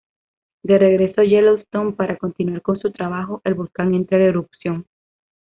De regreso a Yellowstone para continuar con su trabajo, el volcán entra en erupción.